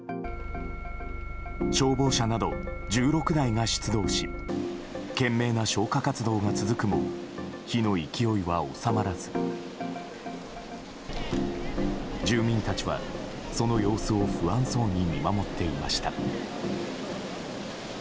消防車など１６台が出動し懸命な消火活動が続くも火の勢いは収まらず住民たちは、その様子を不安そうに見守っていました。